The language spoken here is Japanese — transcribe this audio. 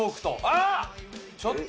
あっ！